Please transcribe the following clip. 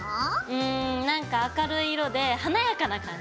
うん何か明るい色で華やかな感じ。